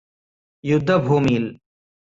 യുദ്ധഭൂമിയില്